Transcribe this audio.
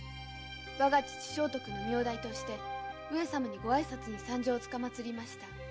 我が父尚徳の名代として上様にご挨拶に参上つかまつりました。